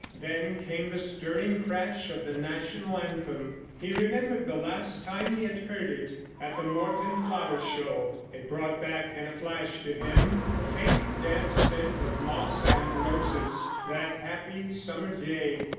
Then came the stirring crash of the National Anthem. He remembered the last time he had heard it. At the Moreton flower show. It brought back in a flash to him the faint damp scent of moss and roses. That happy summer day.